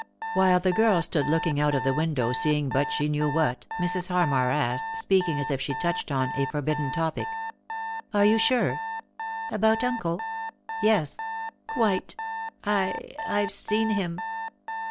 While the girl stood looking out of the window, seeing but she knew what, Mrs. Harmar asked, speaking as if she ■ touched on. a forbidden topic : "Are you sure ?" "About — uncle ?" "Yes." "Quite. I — I've seen him."